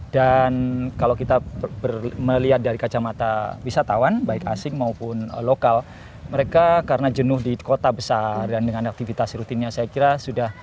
dan kalau kita melihat dari kacamata wisatawan baik asing maupun lokal mereka karena jenuh di kota besar dan dengan aktivitas rutinnya saya kira sudah